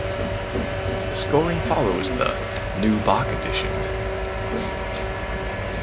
The scoring follows the ("New Bach Edition").